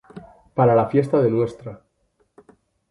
Para la fiesta de Ntra.